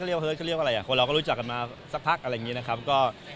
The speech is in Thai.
คนเราก็รู้จักกันมาสักพัก